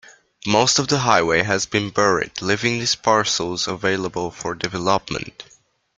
Most of the highway has been buried, leaving these parcels available for development.